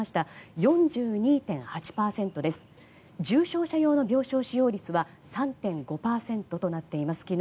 重症者用の病床使用率は３．５％となっています。